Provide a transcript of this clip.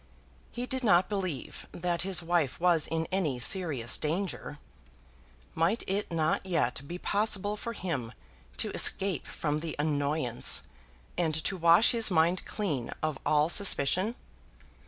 He did not believe that his wife was in any serious danger. Might it not yet be possible for him to escape from the annoyance, and to wash his mind clean of all suspicion?